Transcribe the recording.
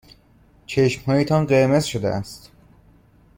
چشمهایتان قرمز شده است.